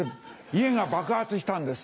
家が爆発したんです。